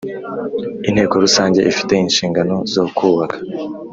Inteko rusange ifite inshingano zo kubaka